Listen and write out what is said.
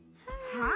はあ？